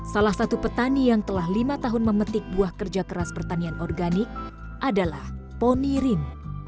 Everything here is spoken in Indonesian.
salah satu petani yang telah lima tahun memetik buah kerja keras pertanian organik adalah ponirin